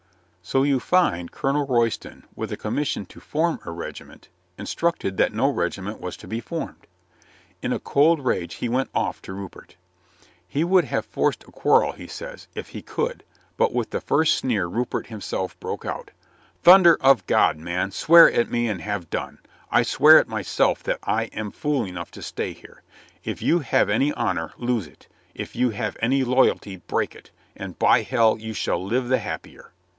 So you find Colonel Royston with a commission to form a regiment, instructed that no regiment was to be formed. In a cold rage he went off to Rupert. He would have forced a quarrel, he says, if he could, but with the first sneer Rupert himself broke out: "Thunder of God, man, swear at me and have done! I swear at myself that I am fool enough to stay here. If you have any honor, lose it; if you have any loyalty break it, and by hell, you shall live the happier."